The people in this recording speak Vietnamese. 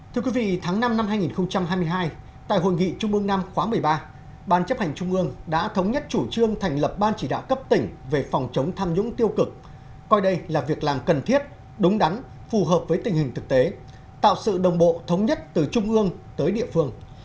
thưa quý vị tháng năm năm hai nghìn hai mươi hai tại hội nghị trung mương năm khóa một mươi ba ban chấp hành trung ương đã thống nhất chủ trương thành lập ban chỉ đạo cấp tỉnh về phòng chống tham nhũng tiêu cực coi đây là việc làm cần thiết đúng đắn phù hợp với tình hình thực tế tạo sự đồng bộ thống nhất từ trung ương tới địa phương